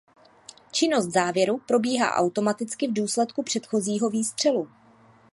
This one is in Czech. Činnost závěru probíhá automaticky v důsledku předchozího výstřelu.